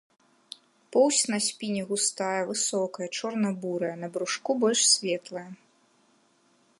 Поўсць на спіне густая, высокая, чорна-бурая, на брушку больш светлая.